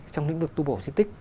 trong lĩnh vực tu bổ di tích